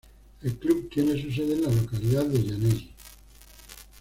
El club tiene su sede en la localidad de Llanelli.